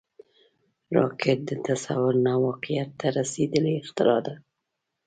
راکټ د تصور نه واقعیت ته رسیدلی اختراع ده